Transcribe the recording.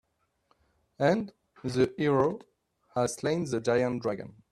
And the hero has slain the giant dragon.